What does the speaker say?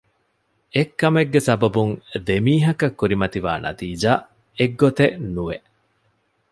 އެއް ކަމެއްގެ ސަބަބުން ދެ މީހަކަށް ކުރިމަތިވާ ނަތީޖާ އެއްގޮތެއް ނުވެ